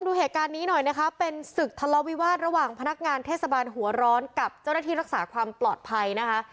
ดูเหตุการณ์นี้หน่อยนะคะเป็นศึกทะเลาวิวาสระหว่างพนักงานเทศบาลหัวร้อนกับเจ้าหน้าที่รักษาความปลอดภัยนะคะ